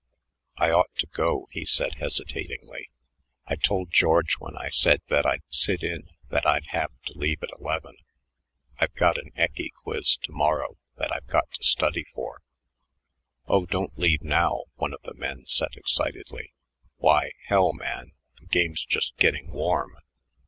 "I ought to go," he said hesitatingly. "I told George when I said that I'd sit in that I'd have to leave at eleven. I've got an eccy quiz to morrow that I've got to study for." "Oh, don't leave now," one of the men said excitedly. "Why, hell, man, the game's just getting warm."